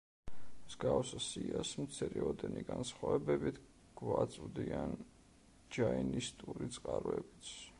მსგავს სიას მცირეოდენი განსხვავებებით გვაწვდიან ჯაინისტური წყაროებიც.